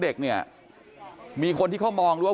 เพื่อนบ้านเจ้าหน้าที่อำรวจกู้ภัย